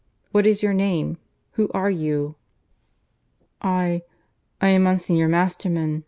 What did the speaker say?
What is your name? Who are you?" "I. .. I am Monsignor Masterman.